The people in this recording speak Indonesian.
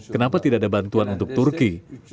kenapa tidak ada bantuan untuk turki